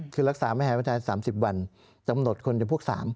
คือรักษามหาวิทยาลัย๓๐วันจำหนดคนยำพวก๓